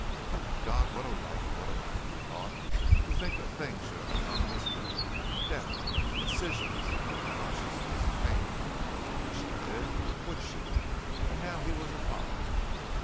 "Oh, God, what a life, what a life!" he thought. To think that things should have to come this way. Death, incisions! unconsciousness! pain! Could she live? Would she? And now he was a father.